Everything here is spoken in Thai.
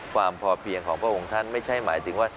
ความพอเพียงของพระองค์ท่านไม่ใช่หมายถึงว่า